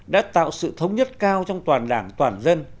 đã tạo sự thống nhất cao trong toàn đảng toàn dân